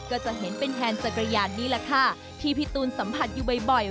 ก็จะเห็นเป็นแทนจักรยานนี่แหละค่ะที่พี่ตูนสัมผัสอยู่บ่อย